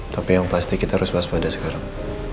tapi yang pasti kita harus bahas pada sekarang